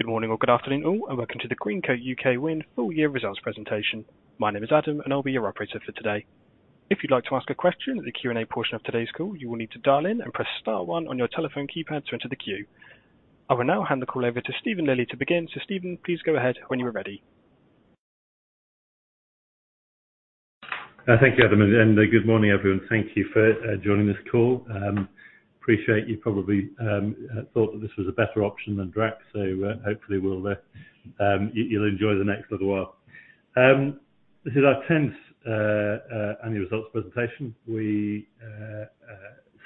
Good morning or good afternoon all, welcome to the Greencoat UK Wind full year results presentation. My name is Adam, I'll be your operator for today. If you'd like to ask a question at the Q&A portion of today's call, you will need to dial in and press star 1 on your telephone keypad to enter the queue. I will now hand the call over to Stephen Lilley to begin. Stephen, please go ahead when you are ready. Thank you, Adam, and good morning, everyone. Thank you for joining this call. Appreciate you probably thought that this was a better option than Drax, so hopefully you'll enjoy the next little while. This is our tenth annual results presentation. We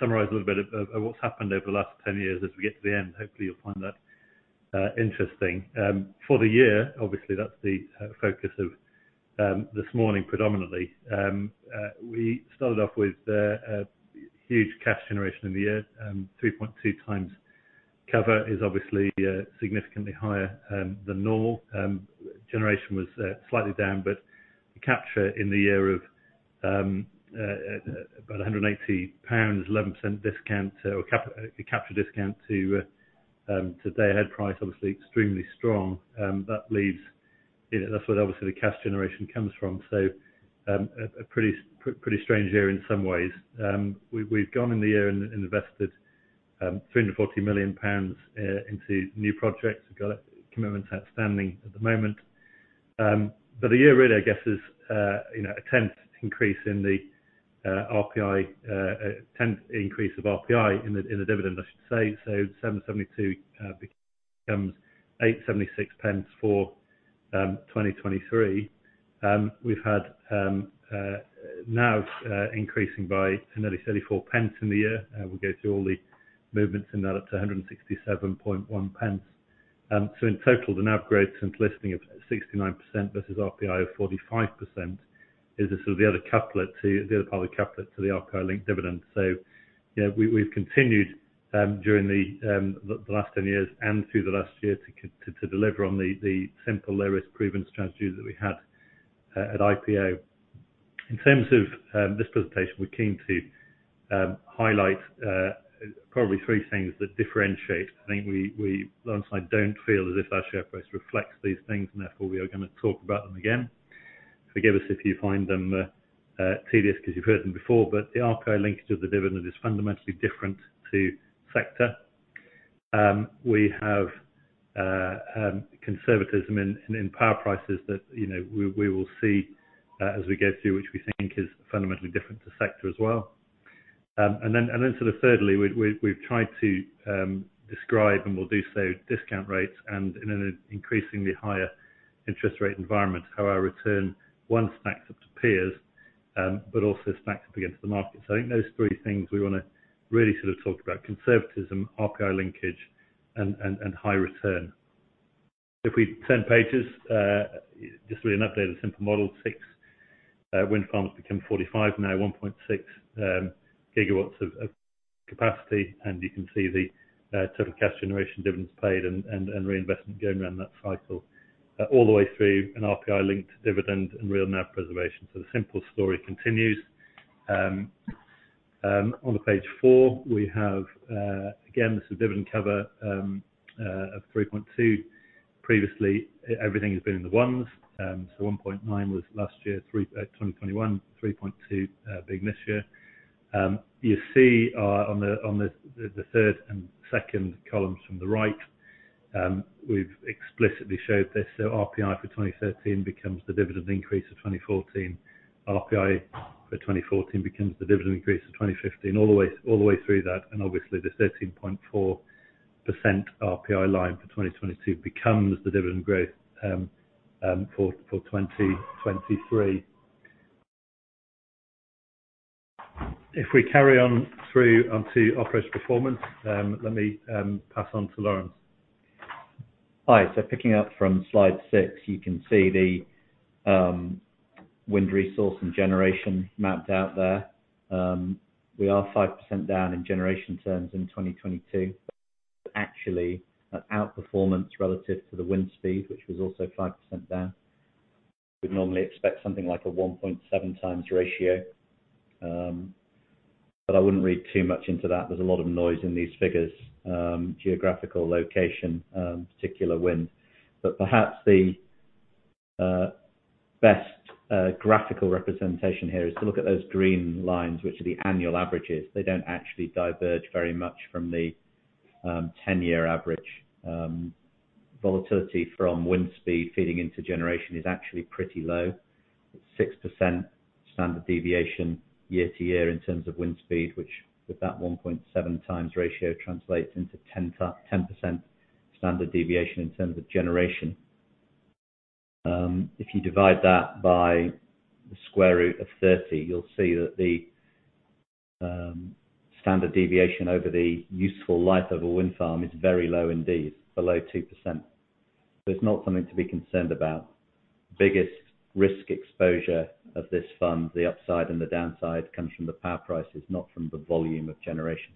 summarize a little bit of what's happened over the last 10 years as we get to the end. Hopefully you'll find that interesting. For the year, obviously, that's the focus of this morning predominantly. We started off with a huge cash generation in the year. 3.2 times cover is obviously significantly higher than normal. Generation was slightly down, but the capture in the year of about 180 pounds, 11% discount, or the capture discount to day-ahead price, obviously extremely strong. That leaves, you know, that's where obviously the cash generation comes from. A pretty strange year in some ways. We've gone in the year and invested 340 million pounds into new projects. We've got commitments outstanding at the moment. The year really, I guess, is, you know, a tenth increase in the RPI, a tenth increase of RPI in the dividend, I should say. 7.72 pence becomes 8.76 pence for 2023. We've had NAVs increasing by nearly 34 pence in the year. We'll go through all the movements in that. Up to 1.671. In total, the NAV growth since listing of 69% versus RPI of 45% is the sort of the other public couplet to the RPI-linked dividend. You know, we've continued during the last 10 years and through the last year to deliver on the simple low-risk provenance strategy that we had at IPO. In terms of this presentation, we're keen to highlight probably 3 things that differentiate. I think we Laurence and I don't feel as if our share price reflects these things, and therefore we are gonna talk about them again. Forgive us if you find them tedious because you've heard them before, the RPI linkage of the dividend is fundamentally different to sector. We have conservatism in power prices that, you know, we will see as we go through, which we think is fundamentally different to sector as well. Then sort of thirdly, we've tried to describe, and we'll do so, discount rates and in an increasingly higher interest rate environment, how our return, one, stacks up to peers, but also stacks up against the market. I think those three things we wanna really sort of talk about: conservatism, RPI linkage, and high return. If we turn pages, this will be an updated simple model. 6 wind farms become 45, now 1.6 gigawatts of capacity. You can see the total cash generation dividends paid and reinvestment going around that cycle all the way through an RPI linked dividend and real NAV preservation. The simple story continues. On page 4, we have again, this is dividend cover of 3.2. Previously everything has been in the ones, 1.9 was last year, 2021, 3.2 being this year. You see on the 3rd and 2nd columns from the right, we've explicitly showed this. RPI for 2013 becomes the dividend increase of 2014. RPI for 2014 becomes the dividend increase of 2015, all the way through that. Obviously the 13.4% RPI line for 2022 becomes the dividend growth for 2023. We carry on through onto operations performance, let me pass on to Laurence. Hi. Picking up from slide 6, you can see the wind resource and generation mapped out there. We are 5% down in generation terms in 2022. Actually an outperformance relative to the wind speed, which was also 5% down. We'd normally expect something like a 1.7 times ratio. I wouldn't read too much into that. There's a lot of noise in these figures, geographical location, particular wind. Perhaps the best graphical representation here is to look at those green lines, which are the annual averages. They don't actually diverge very much from the 10-year average. Volatility from wind speed feeding into generation is actually pretty low. 6% standard deviation year to year in terms of wind speed, which with that 1.7x ratio translates into 10% standard deviation in terms of generation. If you divide that by the square root of 30, you'll see that the standard deviation over the useful life of a wind farm is very low indeed, below 2%. It's not something to be concerned about. Biggest risk exposure of this fund, the upside and the downside, comes from the power prices, not from the volume of generation.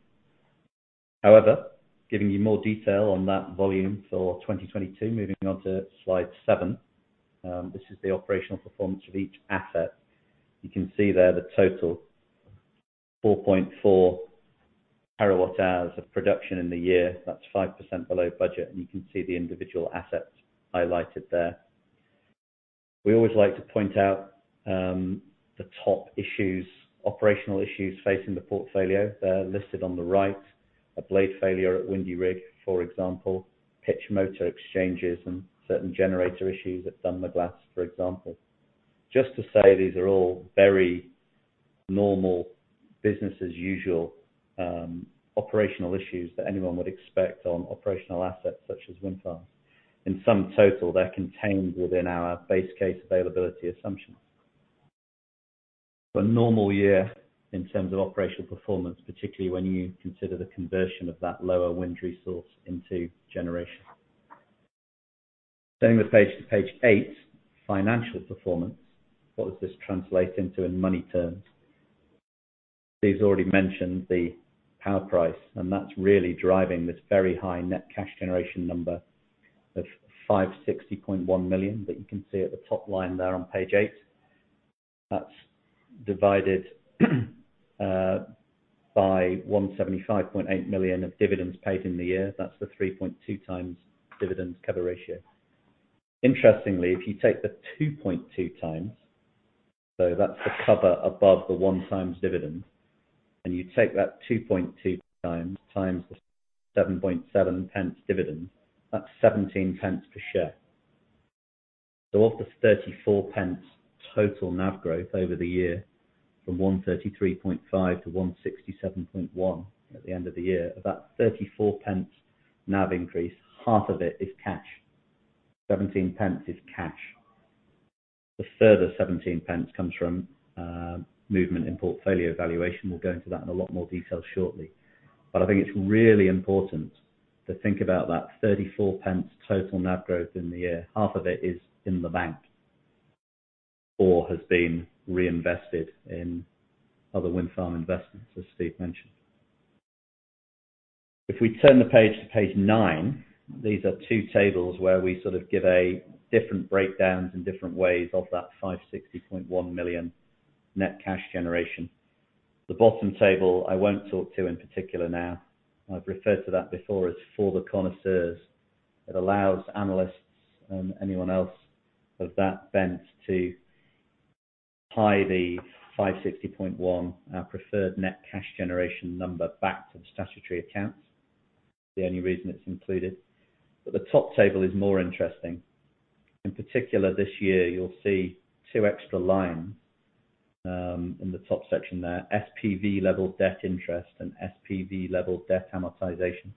Giving you more detail on that volume for 2022, moving on to slide 7. This is the operational performance of each asset. You can see there the total 4.4 terawatt-hours of production in the year. That's 5% below budget, and you can see the individual assets highlighted there. We always like to point out, the top issues, operational issues facing the portfolio. They're listed on the right. A blade failure at Windy Rig, for example, pitch motor exchanges and certain generator issues at Dunmaglass, for example. Just to say these are all very normal business as usual, operational issues that anyone would expect on operational assets such as wind farms. In sum total, they're contained within our base case availability assumptions. A normal year in terms of operational performance, particularly when you consider the conversion of that lower wind resource into generation. Turning the page to page 8, financial performance. What does this translate into in money terms? Steve's already mentioned the power price, and that's really driving this very high net cash generation number of 560.1 million that you can see at the top line there on page 8. That's divided by 175.8 million of dividends paid in the year. That's the 3.2 times dividend cover ratio. Interestingly, if you take the 2.2 times, so that's the cover above the 1 time dividend, and you take that 2.2 times times the 7.7 pence dividend, that's 17 pence per share. Of the 34 pence total NAV growth over the year from 133.5 to 167.1 at the end of the year. Of that 34 pence NAV increase, half of it is cash. 17 pence is cash. The further 17 pence comes from movement in portfolio valuation. We'll go into that in a lot more detail shortly. I think it's really important to think about that 34 pence total NAV growth in the year. Half of it is in the bank, or has been reinvested in other wind farm investments, as Steve mentioned. If we turn the page to page 9, these are two tables where we sort of give a different breakdowns and different ways of that 560.1 million net cash generation. The bottom table I won't talk to in particular now. I've referred to that before as for the connoisseurs. It allows analysts and anyone else of that bent to tie the 560.1, our preferred net cash generation number back to the statutory accounts. The only reason it's included. The top table is more interesting. In particular, this year, you'll see two extra lines in the top section there, SPV level debt interest and SPV level debt amortization.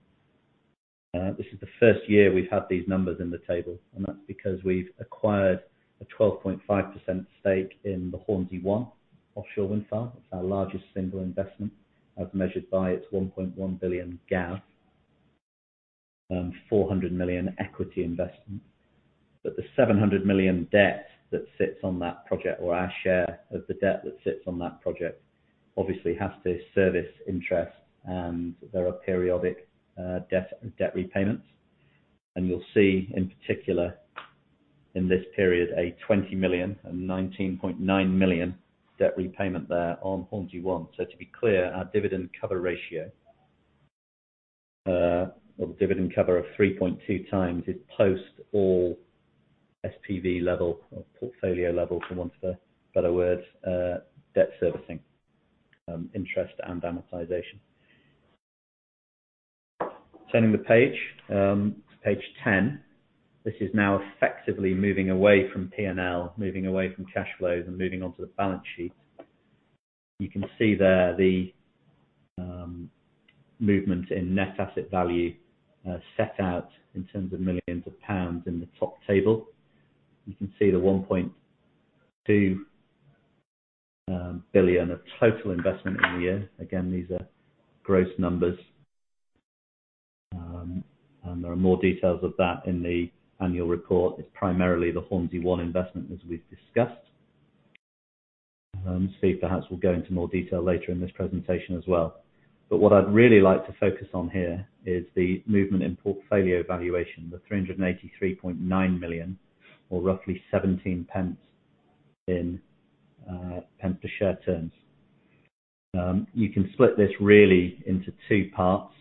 This is the first year we've had these numbers in the table. That's because we've acquired a 12.5% stake in the Hornsea One offshore wind farm. It's our largest single investment as measured by its 1.1 billion GAV, 400 million equity investment. The 700 million debt that sits on that project or our share of the debt that sits on that project, obviously has to service interest and there are periodic debt repayments. You'll see in particular in this period, a 20 million and 19.9 million debt repayment there on Hornsea One. To be clear, our dividend cover ratio, or the dividend cover of 3.2 times is post all SPV level or portfolio level, for want of a better word, debt servicing, interest and amortization. Turning the page to page 10. This is now effectively moving away from P&L, moving away from cash flows, and moving on to the balance sheet. You can see there the movement in net asset value set out in terms of millions of pounds in the top table. You can see the 1.2 billion of total investment in the year. Again, these are gross numbers. There are more details of that in the annual report. It's primarily the Hornsea One investment, as we've discussed. Steve perhaps will go into more detail later in this presentation as well. What I'd really like to focus on here is the movement in portfolio valuation, the 383.9 million, or roughly 17 pence in pence-per-share terms. You can split this really into two parts.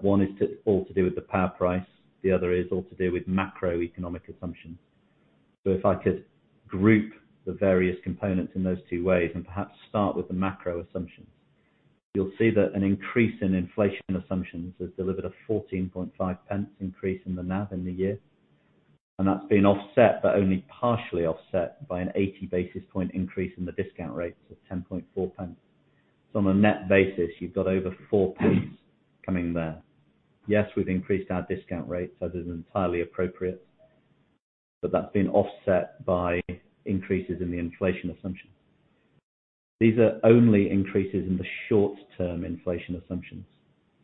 One is all to do with the power price, the other is all to do with macroeconomic assumptions. If I could group the various components in those two ways and perhaps start with the macro assumptions. You'll see that an increase in inflation assumptions has delivered a 0.145 increase in the NAV in the year. That's been offset, but only partially offset by an 80 basis point increase in the discount rate, so 0.104. On a net basis, you've got over 0.04 coming there. Yes, we've increased our discount rate, so this is entirely appropriate. That's been offset by increases in the inflation assumption. These are only increases in the short-term inflation assumptions.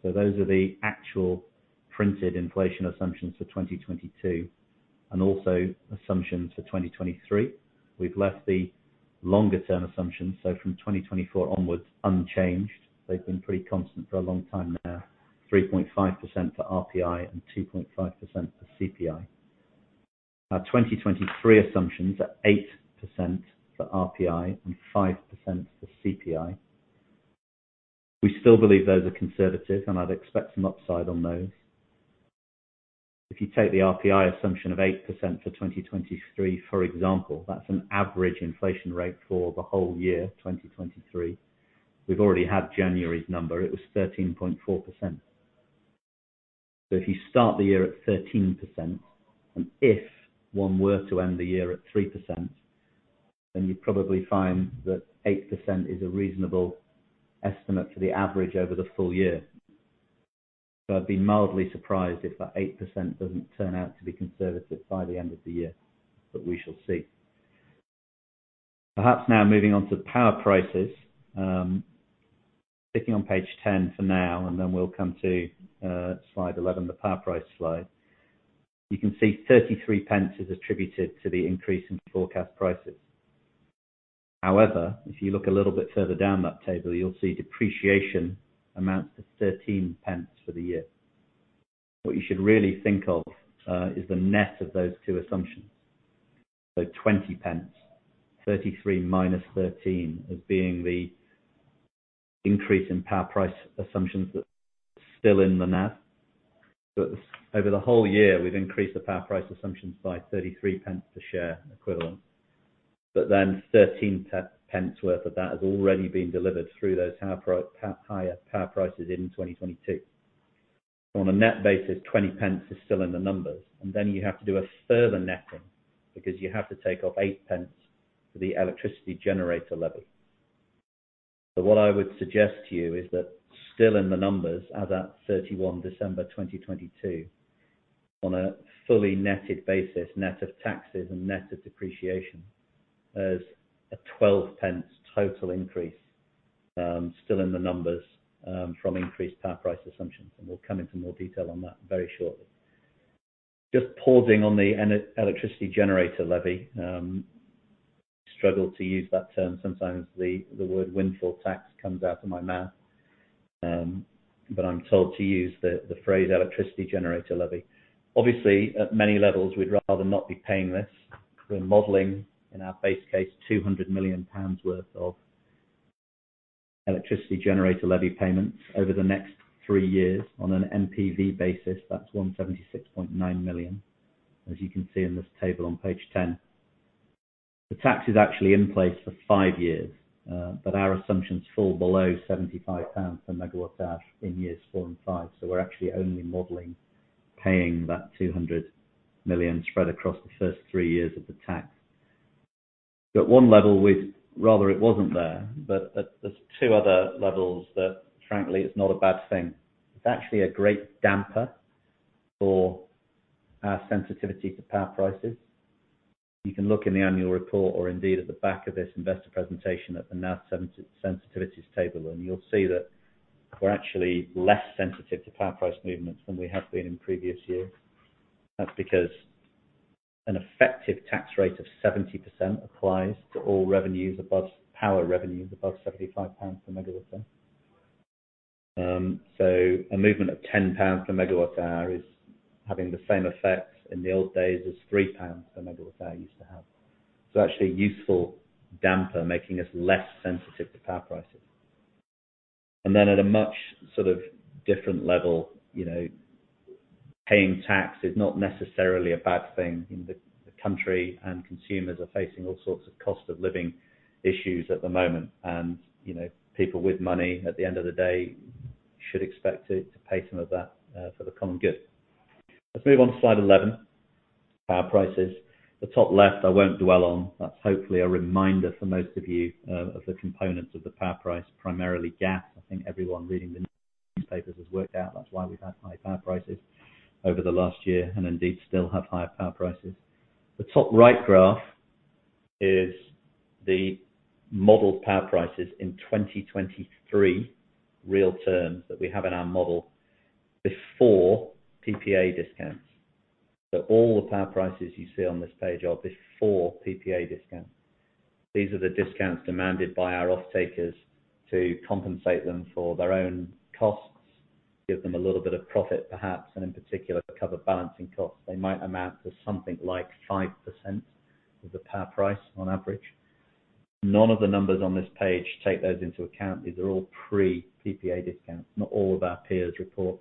Those are the actual printed inflation assumptions for 2022 and also assumptions for 2023. We've left the longer term assumptions, so from 2024 onwards, unchanged. They've been pretty constant for a long time now, 3.5% for RPI and 2.5% for CPI. Our 2023 assumptions are 8% for RPI and 5% for CPI. We still believe those are conservative, and I'd expect some upside on those. If you take the RPI assumption of 8% for 2023, for example, that's an average inflation rate for the whole year, 2023. We've already had January's number. It was 13.4%. If you start the year at 13%, and if one were to end the year at 3%, then you'd probably find that 8% is a reasonable estimate for the average over the full year. I'd be mildly surprised if that 8% doesn't turn out to be conservative by the end of the year, but we shall see. Perhaps now moving on to power prices. Sticking on page 10 for now, and then we'll come to slide 11, the power price slide. You can see 0.33 is attributed to the increase in forecast prices. However, if you look a little bit further down that table, you'll see depreciation amounts to 0.13 for the year. What you should really think of is the net of those two assumptions. 0.20, 33 minus 13 as being the increase in power price assumptions that's still in the NAV. Over the whole year, we've increased the power price assumptions by 0.33 per share equivalent. 13 pence worth of that has already been delivered through those higher power prices in 2022. On a net basis, 20 pence is still in the numbers, and then you have to do a further netting because you have to take off 8 pence for the Electricity Generator Levy. What I would suggest to you is that still in the numbers as at 31 December 2022, on a fully netted basis, net of taxes and net of depreciation, there's a 12 pence total increase still in the numbers from increased power price assumptions, and we'll come into more detail on that very shortly. Just pausing on the Electricity Generator Levy. Struggle to use that term. Sometimes the word windfall tax comes out of my mouth, but I'm told to use the phrase Electricity Generator Levy. Obviously, at many levels, we'd rather not be paying this. We're modeling, in our base case, 200 million pounds worth of Electricity Generator Levy payments over the next 3 years. On an NPV basis, that's 176.9 million, as you can see in this table on page 10. The tax is actually in place for 5 years. Our assumptions fall below 75 pounds per megawatt hour in years 4 and 5. We're actually only modeling paying that 200 million spread across the first 3 years of the tax. At 1 level, we'd rather it wasn't there. At the 2 other levels that frankly is not a bad thing. It's actually a great damper for our sensitivity to power prices. You can look in the annual report or indeed at the back of this investor presentation at the NAV sensitivities table. You'll see that we're actually less sensitive to power price movements than we have been in previous years. That's because an effective tax rate of 70% applies to all revenues above power revenues above 75 pounds per megawatt hour. A movement of 10 pounds per megawatt hour is having the same effect in the old days as 3 pounds per megawatt hour used to have. Actually a useful damper, making us less sensitive to power prices. Then at a much sort of different level, you know, paying tax is not necessarily a bad thing. The country and consumers are facing all sorts of cost of living issues at the moment. You know, people with money at the end of the day should expect it to pay some of that for the common good. Let's move on to slide 11, power prices. The top left I won't dwell on. That's hopefully a reminder for most of you of the components of the power price, primarily gas. I think everyone reading the newspapers has worked out that's why we've had high power prices over the last year and indeed still have higher power prices. The top right graph is the modeled power prices in 2023, real terms that we have in our model before PPA discounts. All the power prices you see on this page are before PPA discounts. These are the discounts demanded by our off-takers to compensate them for their own costs, give them a little bit of profit perhaps, and in particular, to cover balancing costs. They might amount to something like 5% of the power price on average. None of the numbers on this page take those into account. These are all pre-PPA discounts. Not all of our peers report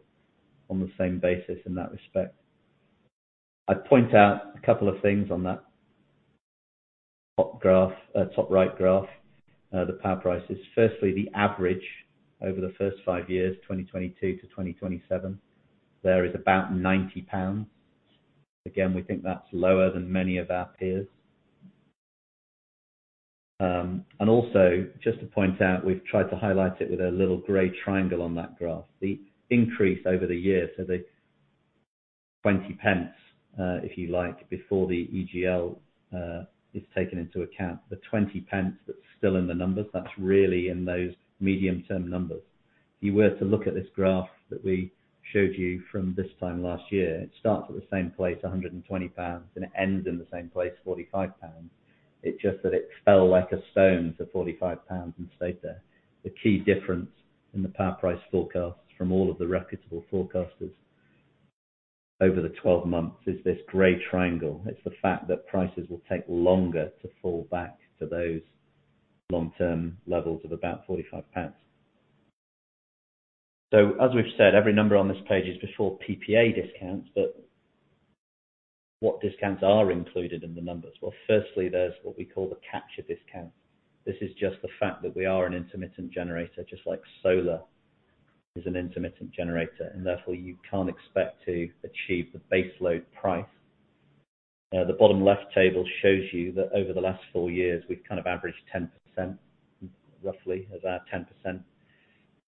on the same basis in that respect. I'd point out a couple of things on that top graph, top right graph, the power prices. Firstly, the average over the first five years, 2022-2027, there is about 90 pounds. Again, we think that's lower than many of our peers. Also just to point out, we've tried to highlight it with a little gray triangle on that graph. The increase over the years. The 20p, if you like, before the EGL is taken into account. The 20p that's still in the numbers, that's really in those medium-term numbers. If you were to look at this graph that we showed you from this time last year, it starts at the same place, 120 pounds, and it ends in the same place, 45 pounds. It's just that it fell like a stone to 45 pounds and stayed there. The key difference in the power price forecasts from all of the reputable forecasters over the 12 months is this gray triangle. It's the fact that prices will take longer to fall back to those long-term levels of about 45 pounds. As we've said, every number on this page is before PPA discounts, but what discounts are included in the numbers? Well, firstly, there's what we call the capture discount. This is just the fact that we are an intermittent generator, just like solar is an intermittent generator, and therefore you can't expect to achieve the baseload price. The bottom left table shows you that over the last four years, we've kind of averaged 10%, roughly about 10%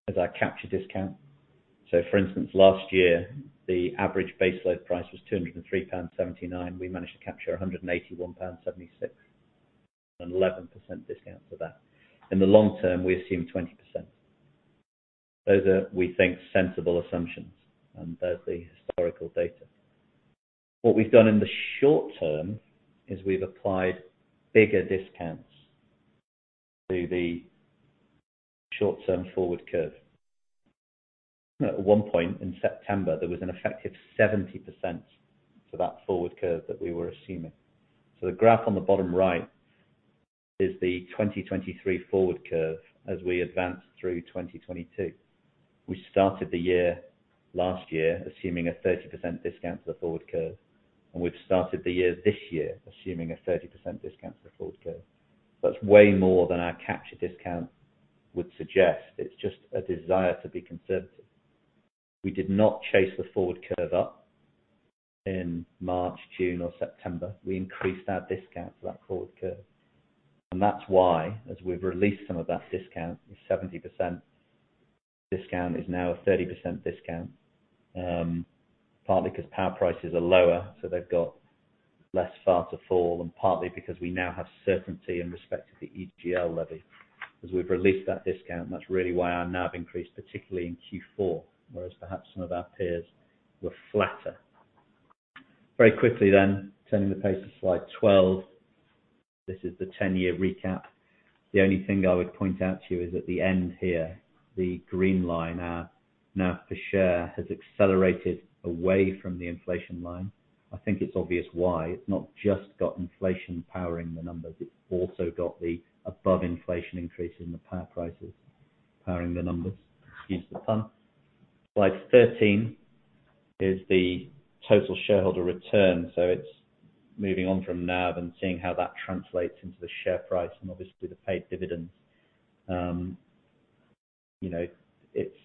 as our capture discount. For instance, last year, the average baseload price was 203.79 pounds. We managed to capture 181.76 pound, an 11% discount to that. In the long term, we assume 20%. Those are, we think, sensible assumptions, and there's the historical data. What we've done in the short term is we've applied bigger discounts to the short-term forward curve. At one point in September, there was an effective 70% to that forward curve that we were assuming. The graph on the bottom right is the 2023 forward curve as we advance through 2022. We started the year, last year, assuming a 30% discount to the forward curve, and we've started the year this year assuming a 30% discount to the forward curve. That's way more than our capture discount would suggest. It's just a desire to be conservative. We did not chase the forward curve up in March, June or September. We increased our discount to that forward curve. That's why as we've released some of that discount, the 70% discount is now a 30% discount. Partly because power prices are lower, so they've got less far to fall, and partly because we now have certainty in respect of the EGL levy. As we've released that discount, that's really why our NAV increased, particularly in Q4, whereas perhaps some of our peers were flatter. Very quickly, turning the page to slide 12. This is the 10-year recap. The only thing I would point out to you is at the end here, the green line. Our NAV per share has accelerated away from the inflation line. I think it's obvious why. It's not just got inflation powering the numbers, it's also got the above-inflation increase in the power prices powering the numbers. Excuse the pun. Slide 13 is the total shareholder return. It's moving on from NAV and seeing how that translates into the share price and obviously the paid dividends. You know, it's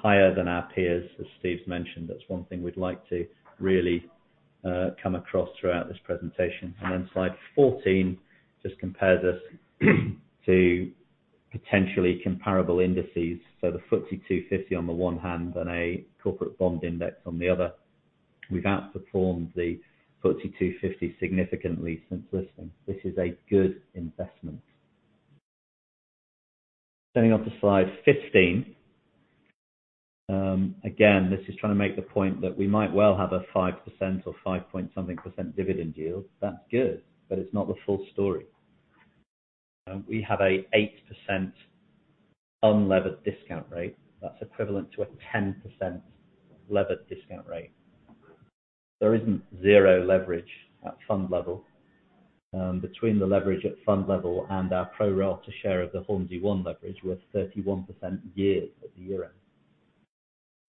higher than our peers, as Steve's mentioned. That's one thing we'd like to really come across throughout this presentation. Slide 14 just compares us to potentially comparable indices. The FTSE 250 on the one hand and a corporate bond index on the other. We've outperformed the FTSE 250 significantly since listing. This is a good investment. Turning onto slide 15. Again, this is trying to make the point that we might well have a 5% or 5-point-something% dividend yield. That's good, but it's not the full story. We have a 8% unlevered discount rate that's equivalent to a 10% levered discount rate. There isn't zero leverage at fund level. Between the leverage at fund level and our pro-rata share of the Hornsea One leverage, we're 31% geared at the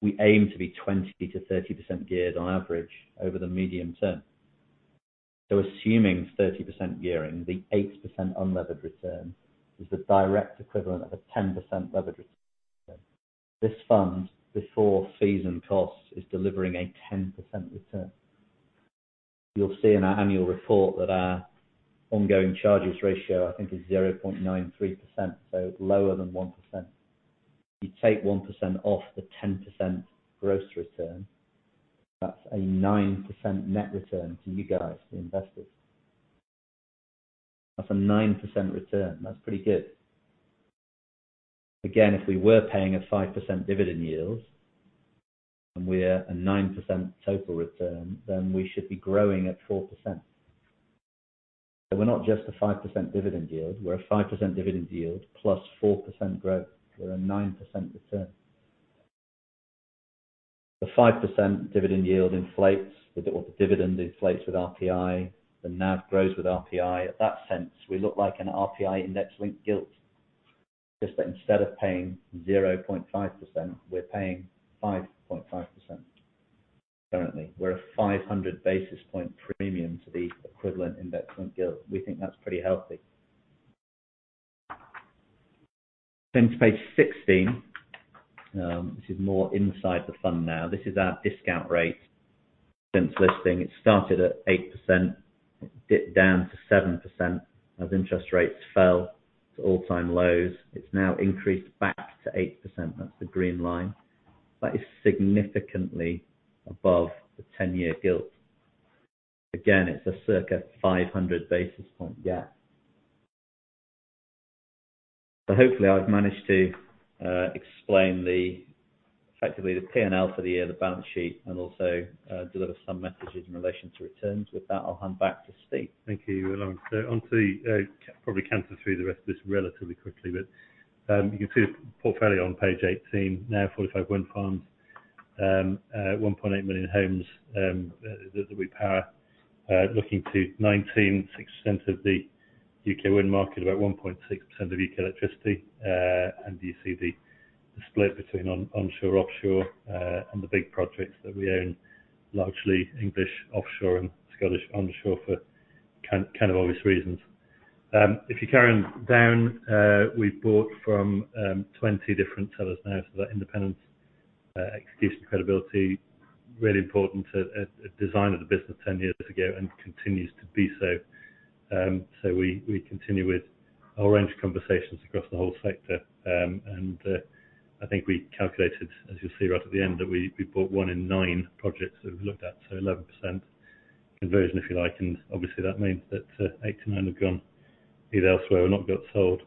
year end. We aim to be 20%-30% geared on average over the medium term. Assuming 30% gearing, the 8% unlevered return is the direct equivalent of a 10% levered return. This fund, before fees and costs, is delivering a 10% return. You'll see in our annual report that our Ongoing Charges Ratio, I think is 0.93%, so lower than 1%. You take 1% off the 10% gross return, that's a 9% net return to you guys, the investors. That's a 9% return. That's pretty good. If we were paying a 5% dividend yield, and we're a 9% total return, then we should be growing at 4%. We're not just a 5% dividend yield. We're a 5% dividend yield plus 4% growth. We're a 9% return. The 5% dividend yield inflates with or the dividend inflates with RPI, the NAV grows with RPI. At that sense, we look like an RPI index-linked gilt, just that instead of paying 0.5%, we're paying 5.5% currently. We're a 500 basis point premium to the equivalent index-linked gilt. We think that's pretty healthy. To page 16. This is more inside the fund now. This is our discount rate since listing. It started at 8%. It dipped down to 7% as interest rates fell to all-time lows. It's now increased back to 8%. That's the green line. That is significantly above the 10-year gilt. Again, it's a circa 500 basis point gap. Hopefully I've managed to effectively explain the P&L for the year, the balance sheet, and also deliver some messages in relation to returns. I'll hand back to Steve. Thank you, Laurence. Onto the, probably canter through the rest of this relatively quickly, but you can see the portfolio on page 18. Now 45 wind farms, 1.8 million homes that we power. Looking to 19, 6% of the U.K. wind market, about 1.6% of U.K. electricity. You see the split between onshore, offshore, and the big projects that we own, largely English offshore and Scottish onshore for kind of obvious reasons. If you carry on down, we bought from 20 different sellers now, so that independent execution credibility, really important to design of the business 10 years ago and continues to be so. We continue with a whole range of conversations across the whole sector, and I think we calculated, as you'll see right at the end, that we bought 1 in 9 projects that we've looked at, so 11% conversion, if you like. Obviously that means that 89 have gone either elsewhere or not got sold.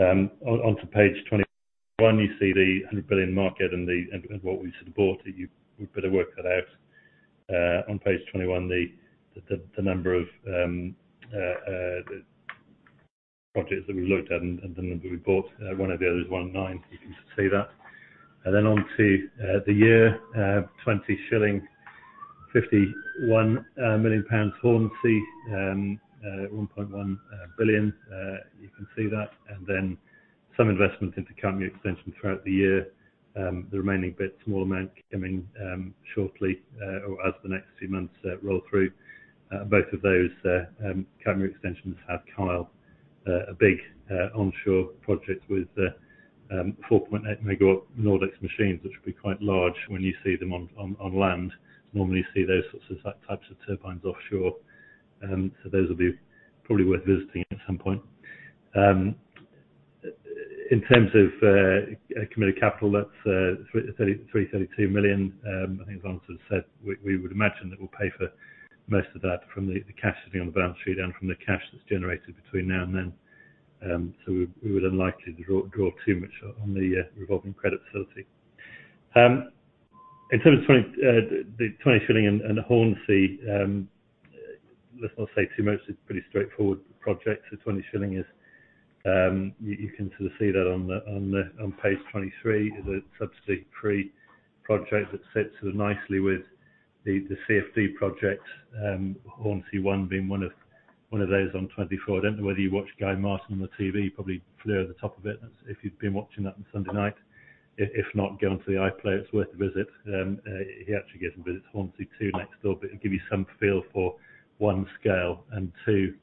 Onto page 21, you see the 100 billion market and what we support, you better work that out. On page 21, the number of the projects that we looked at and the number we bought, one of the others, 1 in 9, you can see that. Onto the year, Twentyshilling Hill, 51 million pounds, Hornsea One, 1.1 billion. You can see that. Some investments into Clyde Extension throughout the year. The remaining bit, small amount coming shortly, or as the next few months roll through. Both of those, Clyde Extensions have South Kyle, a big onshore project with 4.8 megawatt Nordex machines, which will be quite large when you see them on land. Normally, you see those types of turbines offshore. So those will be probably worth visiting at some point. In terms of committed capital, that's 33.2 million. I think Laurence has said we would imagine that we'll pay for most of that from the cash sitting on the balance sheet and from the cash that's generated between now and then. We would unlikely to draw too much on the revolving credit facility. In terms of Twentyshilling and Hornsea, let's not say too much. It's a pretty straightforward project. Twentyshilling is, you can sort of see that on page 23. The subsidy-free project that sits, sort of, nicely with the CFD project, Hornsea One being one of those on 24. I don't know whether you watch Guy Martin on the TV, probably flew over the top of it, if you've been watching that on Sunday night. If not, go onto the iPlayer, it's worth a visit. He actually gives them visits, Hornsea 2 next door. It'll give you some feel for 1, scale and 2,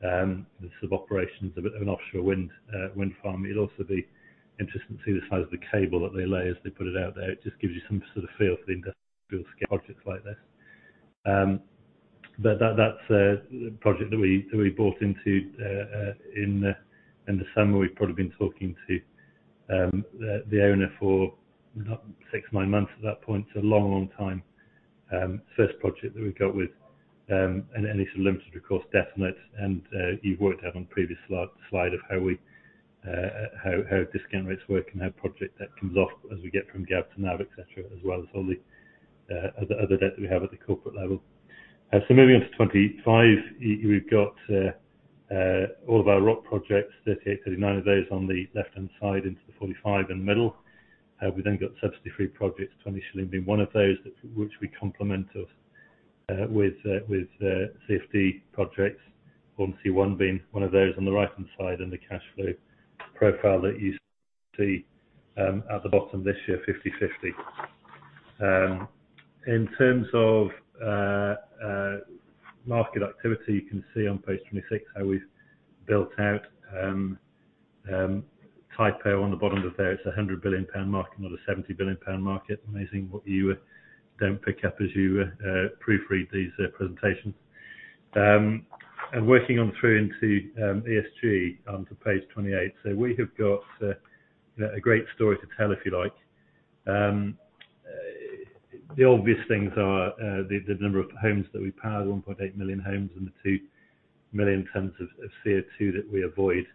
the sort of operations of an offshore wind farm. It'll also be interesting to see the size of the cable that they lay as they put it out there. It just gives you some sort of feel for the industrial scale projects like this. That, that's a project that we, that we bought into in the summer. We've probably been talking to the owner for 6, 9 months at that point, so a long, long time. First project that we got with, and it's limited, of course, debt notes and you worked out on previous slide of how we, how discount rates work and how project debt comes off as we get from GAV to NAV, etc., as well as all the other debt that we have at the corporate level. Moving on to 25, we've got all of our ROC projects, 38, 39 of those on the left-hand side into the 45 in the middle. We then got subsidy-free projects, Twentyshilling being one of those which we complement with CFD projects, Hornsea One being one of those on the right-hand side and the cash flow profile that you see at the bottom this year, 50/50. In terms of market activity, you can see on page 26 how we've built out, typo on the bottom of there. It's a 100 billion pound market, not a 70 billion pound market. Amazing what you don't pick up as you proofread these presentations. Working on through into ESG onto page 28. We have got a great story to tell, if you like. The obvious things are the number of homes that we power, 1.8 million homes and the 2 million tons of CO2 that we avoid.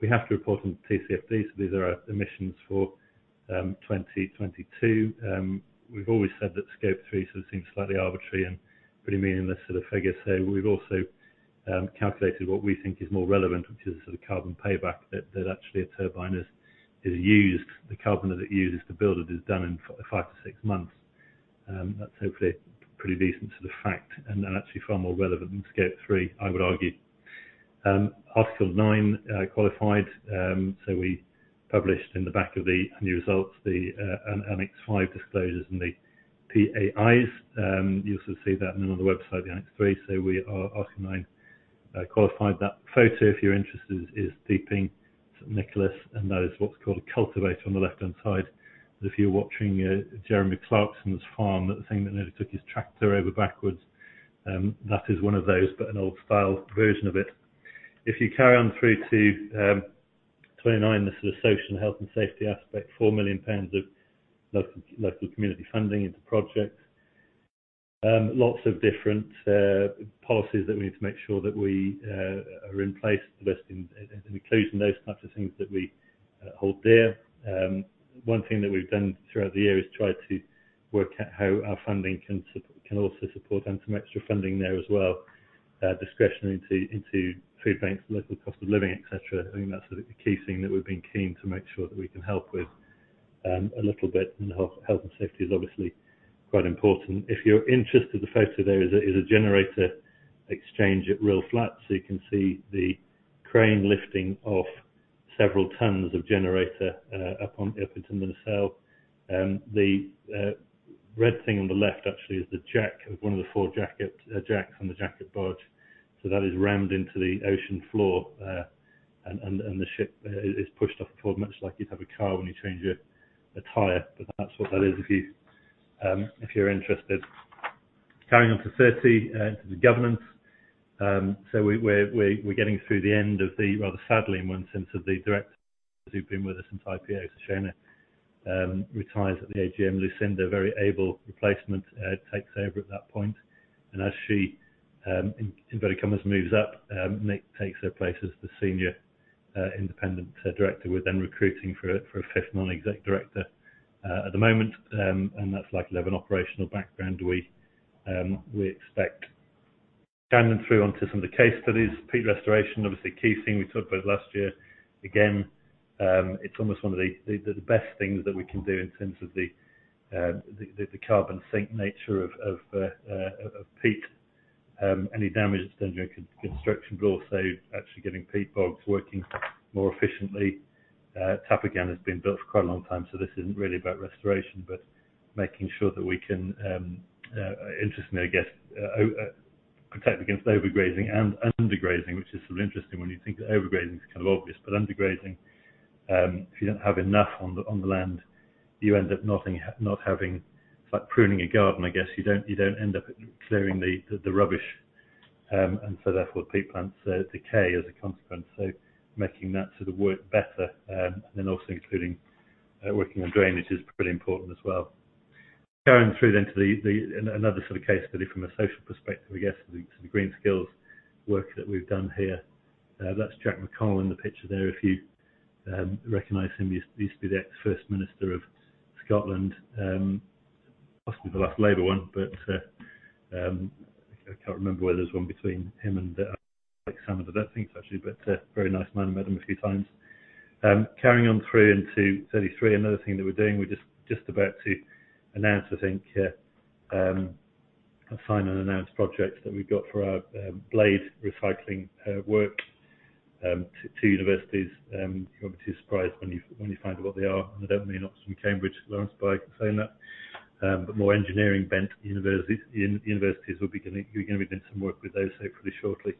We have to report on TCFD, so these are our emissions for 2022. We've always said that Scope 3 sort of seems slightly arbitrary and pretty meaningless sort of figure. We've also calculated what we think is more relevant, which is the sort of carbon payback that actually a turbine is used. The carbon that it uses to build it is done in 5 to 6 months. That's hopefully pretty decent to the fact and actually far more relevant than Scope 3, I would argue. Article 9 qualified. We published in the back of the new results the Annex V disclosures and the PAIs. You'll also see that in another website, the Annex III. We are Article 9 qualified. That photo, if you're interested, is Deeping St Nicholas, and that is what's called a cultivator on the left-hand side. If you're watching Jeremy Clarkson's Farm, the thing that nearly took his tractor over backwards, that is one of those, but an old-style version of it. If you carry on through to 29, the sort of social health and safety aspect, 4 million pounds of local community funding into projects. Lots of different policies that we need to make sure that we are in place, investing in inclusion, those types of things that we hold dear. One thing that we've done throughout the year is try to work out how our funding can also support, and some extra funding there as well, discretion into food banks, local cost of living, et cetera. I think that's the key thing that we've been keen to make sure that we can help with a little bit. Health and safety is obviously quite important. If you're interested, the photo there is a generator exchange at Rhyl Flats. You can see the crane lifting off several tons of generator, up on carrying on through into 33. Another thing that we're doing, we're just about to announce, I think, a final announced project that we've got for our blade recycling work, 2 universities. You won't be too surprised when you find out what they are. I don't mean Oxford and Cambridge, Laurence, by saying that. More engineering bent universities. We're going to be doing some work with those so pretty shortly.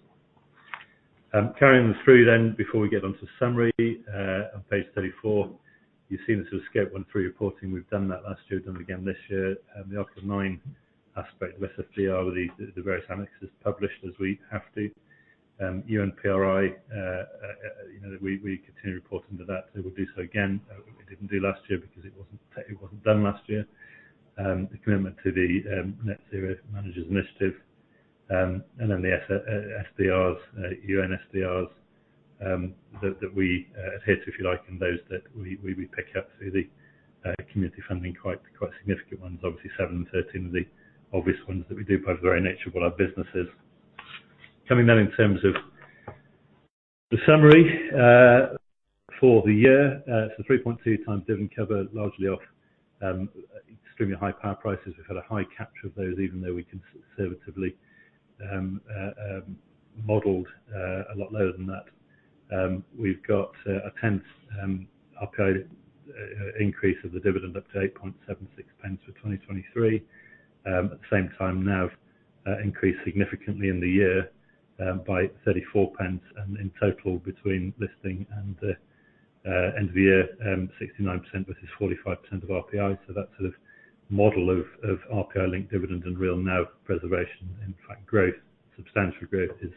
Carrying this through before we get onto summary. On page 34, you've seen the sort of Scope 1 through reporting. We've done that last year, done it again this year. The Article 9 aspect of the SFDR with the various Annexes published as we have to. UNPRI, you know, we continue to report into that. We'll do so again. We didn't do last year because it wasn't done last year. The commitment to the Net Zero Asset Managers initiative, and then the SDGs, UN SDGs, that we adhere to if you like, and those that we pick up through the community funding quite significant ones. Obviously 7 and 13 are the obvious ones that we do by the very nature of what our business is. Coming in terms of the summary for the year. 3.2 times dividend cover, largely off extremely high power prices. We've had a high capture of those, even though we conservatively modeled a lot lower than that. We've got a tenth upgrade increase of the dividend up to 8.76 for 2023. At the same time now, increased significantly in the year by 0.34 and in total between listing and end of year, 69% versus 45% of RPI. That sort of model of RPI-linked dividend and real NAV preservation. In fact, growth, substantial growth is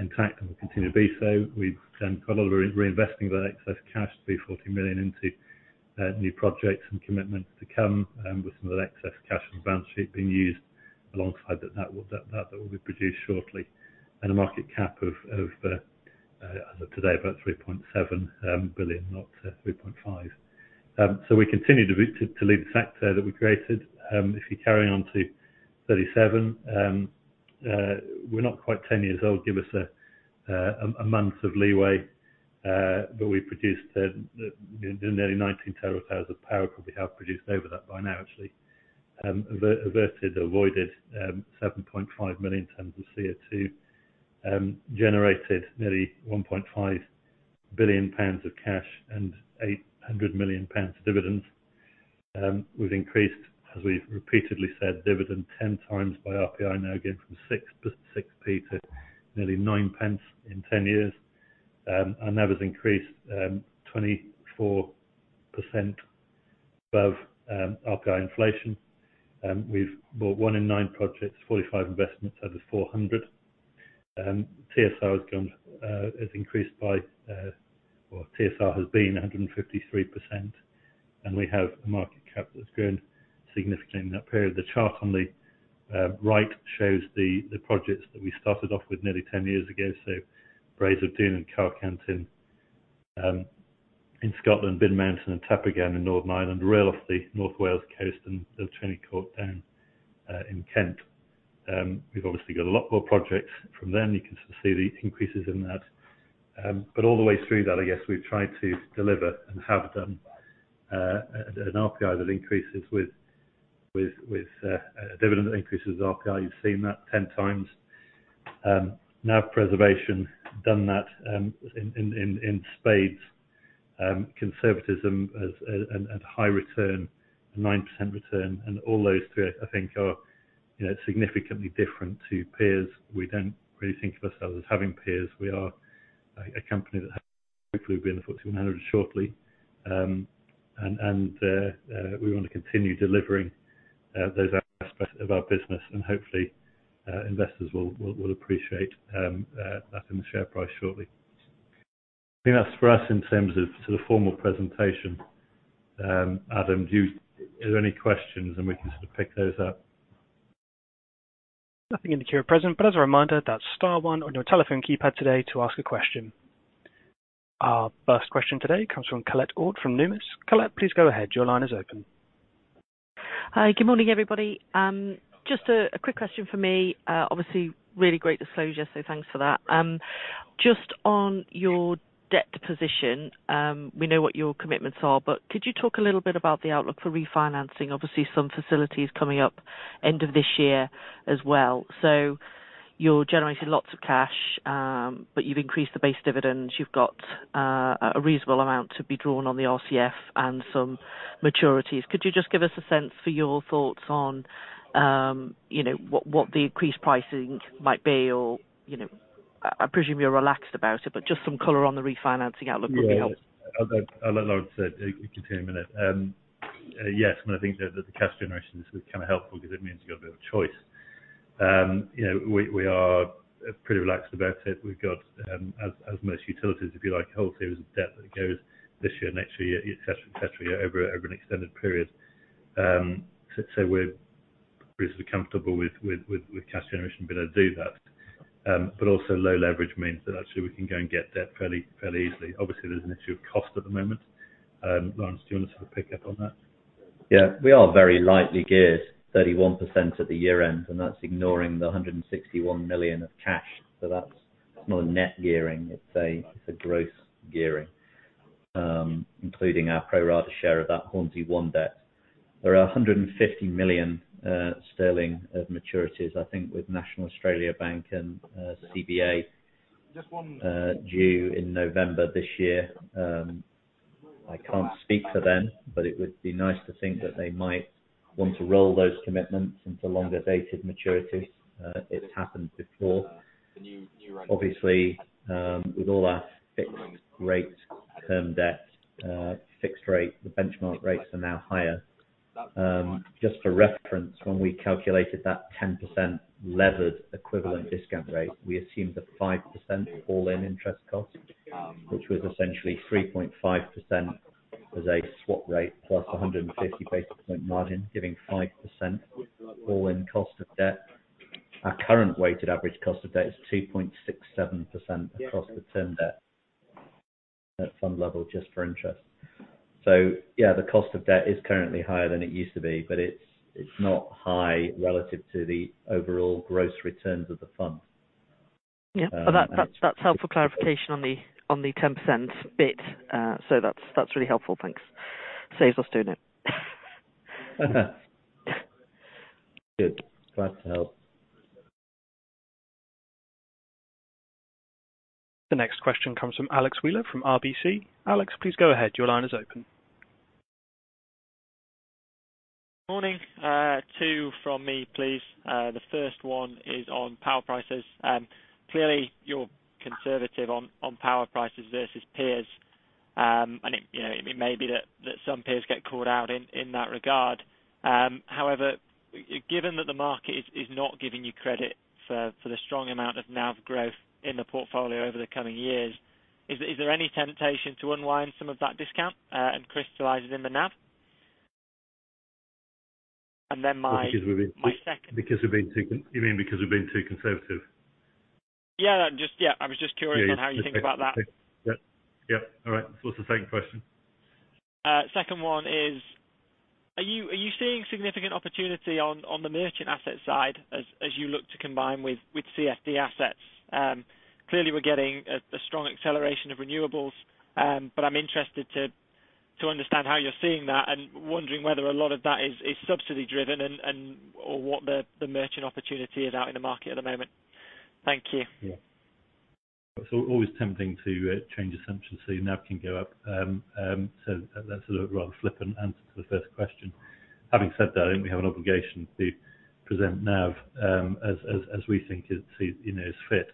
intact and will continue to be so. We've done quite a lot of reinvesting of that excess cash, 340 million into new projects and commitments to come, with some of that excess cash on the balance sheet being used alongside that. That will be produced shortly. A market cap of, as of today, about 3.7 billion, up to 3.5. We continue to lead the sector that we created. If you carry on to 37, we're not quite 10 years old. Give us a month of leeway, but we produced nearly 19 terawatt hours of power. Probably have produced over that by now, actually. averted, avoided, 7.5 million tons of CO2. Generated nearly 1.5 billion pounds of cash and 800 million pounds of dividends. We've increased, as we've repeatedly said, dividend 10 times by RPI, now again from 6p to nearly 9p in 10 years. That was increased 24% above RPI inflation. We've bought 1 in 9 projects, 45 investments out of 400. TSR has been 153%, and we have a market cap that's grown significantly in that period. The chart on the right shows the projects that we started off with nearly 10 years ago. Braes of Doune and Carcant in Scotland, Bin Mountain and Tappaghan in Northern Ireland, Rhyl off the North Wales coast, and the Trinity Court down in Kent. We've obviously got a lot more projects from them. You can see the increases in that. All the way through that, I guess we've tried to deliver and have done, an RPI that increases with a dividend that increases RPI. You've seen that 10 times. NAV preservation, done that in spades. Conservatism as a high return, a 9% return, and all those three, I think are, you know, significantly different to peers. We don't really think of ourselves as having peers. We are a company that has Nothing in the queue at present, but as a reminder, that's star one on your telephone keypad today to ask a question. Our first question today comes from Colette Ord from Numis. Colette, please go ahead. Your line is open. Hi, good morning, everybody. Just a quick question for me. Obviously really great disclosure, so thanks for that. Just on your debt position, we know what your commitments are, but could you talk a little bit about the outlook for refinancing? Obviously, some facilities coming up end of this year as well. You're generating lots of cash, but you've increased the base dividends. You've got a reasonable amount to be drawn on the RCF and some maturities. Could you just give us a sense for your thoughts on, you know, what the increased pricing might be or, you know, I presume you're relaxed about it, but just some color on the refinancing outlook would be helpful. Yeah. I'll let Laurence give you a minute. Yes, I think that the cash generation is kind of helpful because it means you've got a bit of choice. You know, we are pretty relaxed about it. We've got, as most utilities, if you like, a whole series of debt that goes this year, next year, et cetera, et cetera, over an extended period. So we're reasonably comfortable with cash generation be able to do that. Also low leverage means that actually we can go and get debt fairly easily. Obviously, there's an issue of cost at the moment. Laurence, do you want to sort of pick up on that? Yeah. We are very lightly geared, 31% at the year-end, and that's ignoring the 161 million of cash. That's more net gearing. It's a gross gearing, including our pro-rata share of that Hornsea One debt. There are 150 million sterling of maturities, I think, with Australia Bank and Commonwealth Bank of Australia, due in November this year. I can't speak for them, but it would be nice to think that they might want to roll those commitments into longer dated maturities. It's happened before. Obviously, with all our fixed rate term debt, fixed rate, the benchmark rates are now higher. Just for reference, when we calculated that 10% levered equivalent discount rate, we assumed a 5% all-in interest cost, which was essentially 3.5% as a swap rate, plus 150 basis point margin, giving 5% all-in cost of debt. Our current weighted average cost of debt is 2.67% across the term debt at fund level, just for interest. The cost of debt is currently higher than it used to be, but it's not high relative to the overall gross returns of the fund. Yeah. That's helpful clarification on the 10% bit. That's really helpful. Thanks. Saves us doing it. Good. Glad to help. The next question comes from Alexander Wheeler from RBC. Alex, please go ahead. Your line is open. Morning. 2 from me, please. The first one is on power prices. Clearly you're conservative on power prices versus peers. It, you know, it may be that some peers get called out in that regard. However, given that the market is not giving you credit for the strong amount of NAV growth in the portfolio over the coming years, is there any temptation to unwind some of that discount, and crystallize it in the NAV? Then my second- You mean, because we're being too conservative? Yeah, just yeah, I was just curious on how you think about that. Yeah. All right. What's the second question? Second one is, are you seeing significant opportunity on the merchant asset side as you look to combine with CFD assets? Clearly we're getting a strong acceleration of renewables. I'm interested to understand how you're seeing that and wondering whether a lot of that is subsidy driven and or what the merchant opportunity is out in the market at the moment. Thank you. Yeah. It's always tempting to change assumptions, so your NAV can go up. That's a rather flippant answer to the first question. Having said that, I think we have an obligation to present NAV as we think it's, you know, is fit.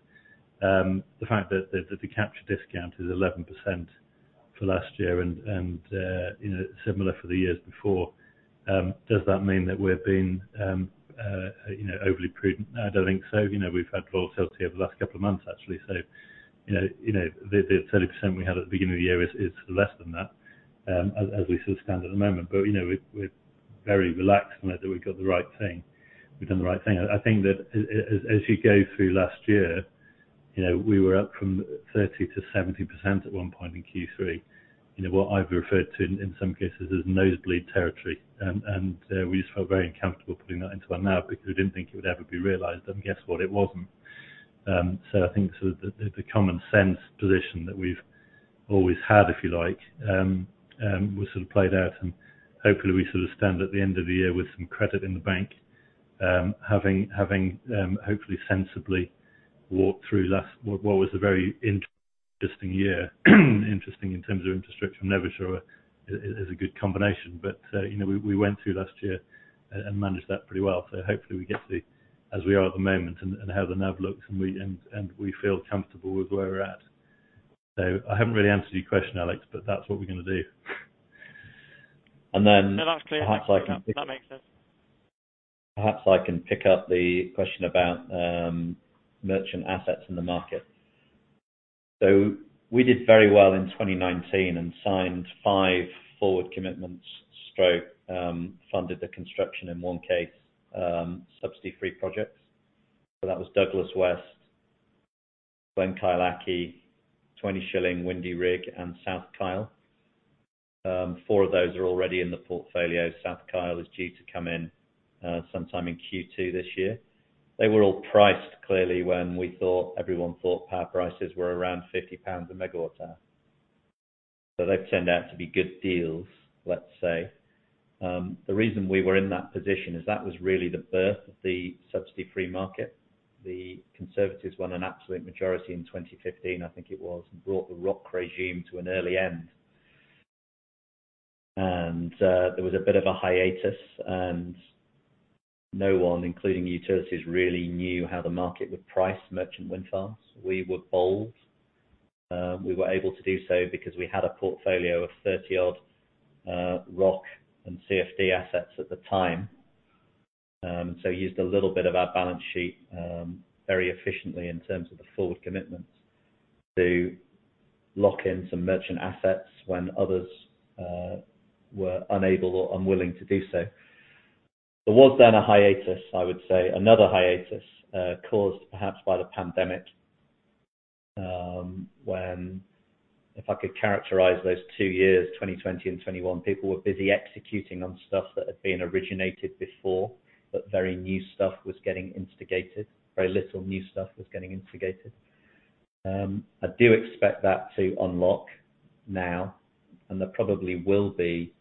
The fact that the capture discount is 11% for last year and, you know, similar for the years before. Does that mean that we're being, you know, overly prudent? I don't think so. You know, we've had low volatility over the last couple of months, actually. You know, the 30% we had at the beginning of the year is less than that as we sort of stand at the moment. You know, we're very relaxed now that we've got the right thing. We've done the right thing. I think that as you go through last year, you know, we were up from 30%-70% at one point in Q3. You know, what I've referred to in some cases as nosebleed territory. We just felt very uncomfortable putting that into our NAV because we didn't think it would ever be realized. Guess what? It wasn't. I think the common sense position that we've always had, if you like, was sort of played out, and hopefully we sort of stand at the end of the year with some credit in the bank, having, hopefully sensibly walked through last... What was a very interesting year. Interesting in terms of interest rates, I'm never sure is a good combination. You know, we went through last year and managed that pretty well. Hopefully we get to as we are at the moment and how the NAV looks and we feel comfortable with where we're at. I haven't really answered your question, Alex, but that's what we're gonna do. No, that's clear. Perhaps I can pick- That makes sense. Perhaps I can pick up the question about merchant assets in the market. We did very well in 2019 and signed 5 forward commitments stroke funded the construction in one case, subsidy-free projects. That was Douglas West, Glen Kyllachy, Twenty Shilling, Windy Rig and South Kyle. 4 of those are already in the portfolio. South Kyle is due to come in sometime in Q2 this year. They were all priced clearly when we thought, everyone thought power prices were around 50 pounds a megawatt hour. They've turned out to be good deals, let's say. The reason we were in that position is that was really the birth of the subsidy-free market. The Conservatives won an absolute majority in 2015, I think it was, and brought the ROC regime to an early end. There was a bit of a hiatus, and no one, including utilities, really knew how the market would price merchant wind farms. We were bold. We were able to do so because we had a portfolio of 30-odd ROC and CFD assets at the time. Used a little bit of our balance sheet, very efficiently in terms of the forward commitments to lock in some merchant assets when others were unable or unwilling to do so. There was a hiatus, I would say, another hiatus, caused perhaps by the pandemic, when, if I could characterize those 2 years, 2020 and 2021, people were busy executing on stuff that had been originated before, but very new stuff was getting instigated. Very little new stuff was getting instigated. I do expect that to unlock now, and there probably will be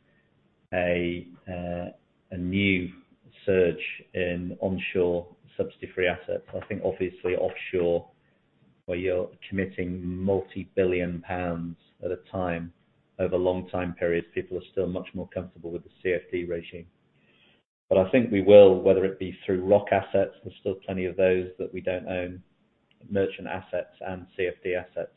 a new surge in onshore subsidy-free assets. I think obviously offshore, where you're committing multi-billion GBP at a time over long time periods, people are still much more comfortable with the CFD regime. I think we will, whether it be through ROC assets, there's still plenty of those that we don't own, merchant assets and CFD assets,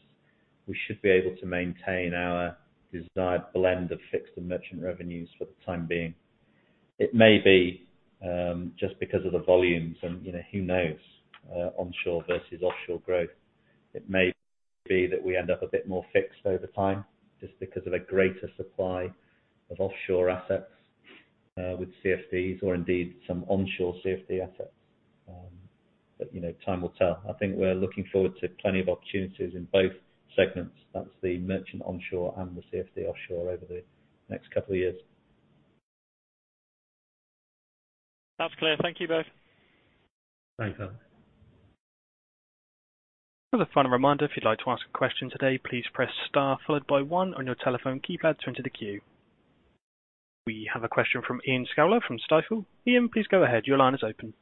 we should be able to maintain our desired blend of fixed and merchant revenues for the time being. It may be, just because of the volumes and, you know, who knows, onshore versus offshore growth. It may be that we end up a bit more fixed over time just because of a greater supply of offshore assets, with CFDs or indeed some onshore CFD assets. You know, time will tell. I think we're looking forward to plenty of opportunities in both segments. That's the merchant onshore and the CFD offshore over the next couple of years. That's clear. Thank you both. Thanks, Alex. Just a final reminder, if you'd like to ask a question today, please press star followed by 1 on your telephone keypad to enter the queue. We have a question from Iain Scoular from Stifel. Iain, please go ahead. Your line is open.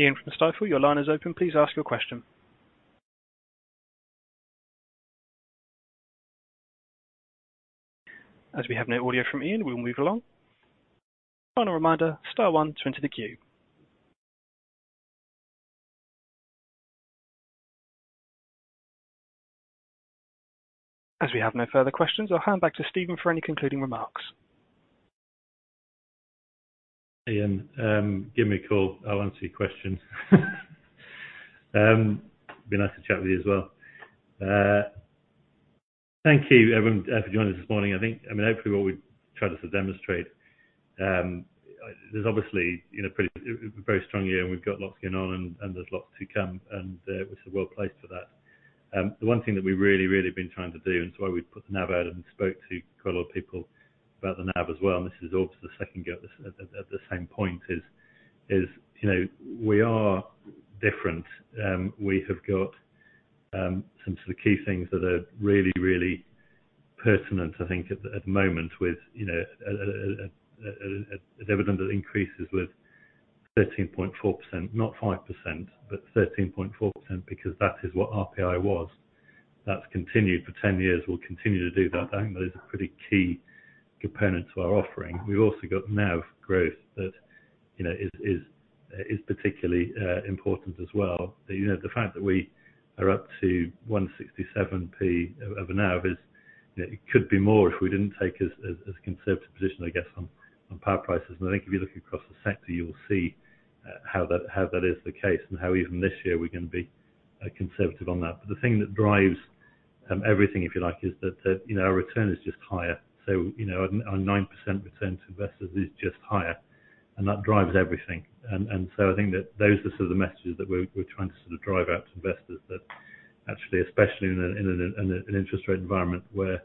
Iain from Stifel, your line is open. Please ask your question. We have no audio from Iain, we will move along. Final reminder, star 1 to enter the queue. We have no further questions, I'll hand back to Stephen for any concluding remarks. Iain, give me a call. I'll answer your question. Be nice to chat with you as well. Thank you everyone for joining us this morning. I mean, hopefully what we've tried to demonstrate, there's obviously, you know, a very strong year and we've got lots going on and there's lots to come and we're sort of well placed for that. The one thing that we really, really been trying to do and so we put the NAV out and spoke to quite a lot of people about the NAV as well, and this is all to the second go at the same point is, you know, we are different. We have got some of the key things that are really, really pertinent, I think at the moment with, you know, a dividend that increases with 13.4%, not 5%, but 13.4% because that is what RPI was. That's continued for 10 years. We'll continue to do that. I think that is a pretty key component to our offering. We've also got NAV growth that, you know, is particularly important as well. You know, the fact that we are up to 167p of a NAV is, you know, it could be more if we didn't take as conservative position, I guess, on power prices. I think if you look across the sector, you will see how that is the case and how even this year we're gonna be conservative on that. The thing that drives everything, if you like, is that, you know, our return is just higher. You know, our 9% return to investors is just higher, and that drives everything. I think that those are sort of the messages that we're trying to sort of drive out to investors that actually, especially in an interest rate environment where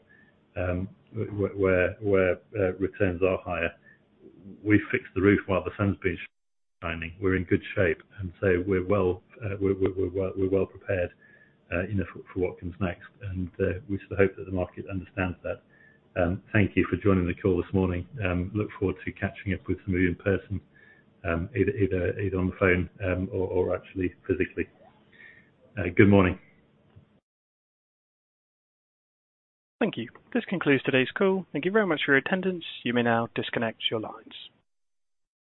returns are higher. We've fixed the roof while the sun's been shining. We're in good shape, and so we're well prepared, you know, for what comes next. We sort of hope that the market understands that. Thank you for joining the call this morning. Look forward to catching up with some of you in person, either on the phone or actually physically. Good morning. Thank you. This concludes today's call. Thank you very much for your attendance. You may now disconnect your lines.